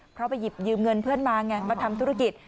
เพราะไปหยิบยืมเงินเพื่อนมาไงมาทำธุรกิจ